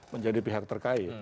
menjadi pihak terkait